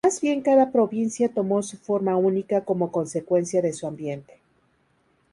Más bien cada provincia tomó su forma única como consecuencia de su ambiente.